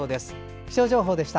気象情報でした。